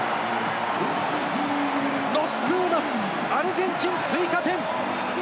ロス・プーマス、アルゼンチン追加点！